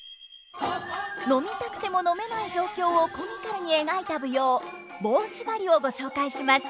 飲みたくても飲めない状況をコミカルに描いた舞踊「棒しばり」をご紹介します！